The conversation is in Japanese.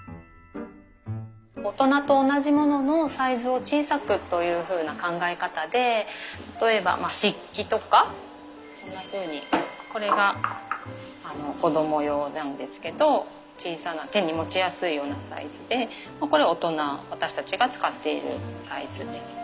大人と同じもののサイズを小さくというふうな考え方で例えば漆器とかこんなふうにこれが子ども用なんですけど小さな手に持ちやすいようなサイズでこれは大人私たちが使っているサイズです。